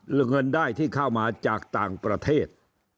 เงินได้ที่เข้ามาจากต่างประเทศ